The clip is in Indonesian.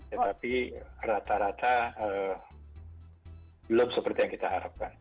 tetapi rata rata belum seperti yang kita harapkan